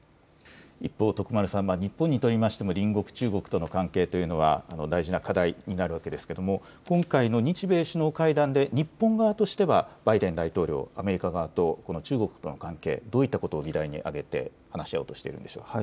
一方、徳丸さん、日本にとりましても隣国、中国との関係というのは大事な課題になるわけですが今回の日米首脳会談で日本側としてはバイデン大統領、アメリカ側と中国との関係、どういったたことを議題に挙げて話し合おうとしているんでしょうか。